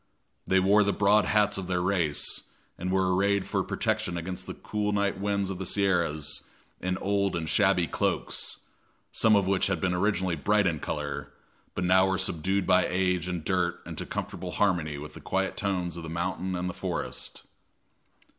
They wore the broad hats of their race, and were arrayed for protection against the cool night winds of the Sierras in old and shabby cloaks, some of which had been originally bright in color, but now were subdued by age and dirt into comfortable harmony with the quiet tones of the mountain and the forest.